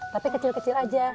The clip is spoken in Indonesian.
tapi kecil kecil aja